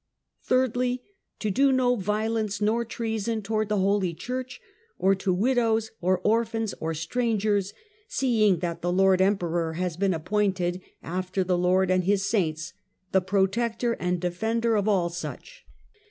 Thirdly, to do no violence nor treason towards the Holy Church, or to widows or orphans or strangers, seeing that the Lord Emperor has been appointed, after the Lord and His saints, the protector and defender of all such."